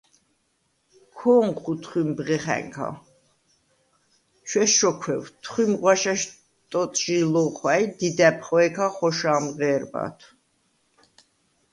ქო̄ნჴუ თხვიმ ბღეხა̈ნქა, ჩვესჩოქვევ, თხვიმ ღვაშა̈შ ტოტჟი ლო̄ხვა̈ჲ, დიდა̈ბ ხვე̄ქა ხოშა̄მ ღე̄რბათვ.